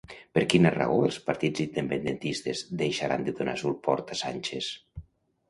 Per quina raó els partits independentistes deixaran de donar suport a Sánchez?